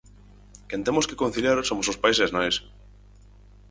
Quen temos que conciliar somos os pais e as nais.